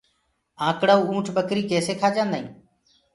آنڪڙآئو اُنٺ ٻڪري ڪيسي کآ جآندآئين